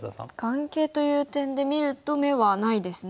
眼形という点で見ると眼はないですね。